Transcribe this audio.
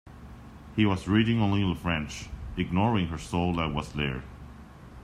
He was reading only the French, ignoring her soul that was there.